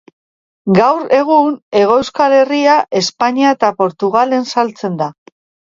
Gaur egun Hego Euskal Herria, Espainia eta Portugalen saltzen da.